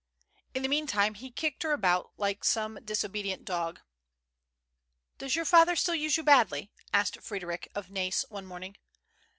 In the meantime he kicked her about like some disobedient dog. "Does your father still use you badly?" asked Fr^d ^ric of Nais one morning.